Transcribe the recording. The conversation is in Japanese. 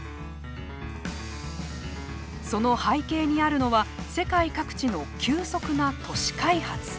その背景にあるのは世界各地の急速な都市開発。